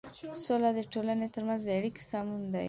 سوله د ټولنې تر منځ د اړيکو سمون دی.